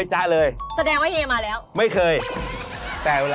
สวัสดีครับ